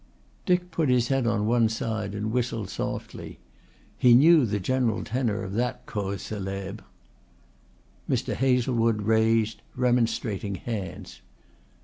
Dick put his head on one side and whistled softly. He knew the general tenor of that cause celebre. Mr. Hazlewood raised remonstrating hands.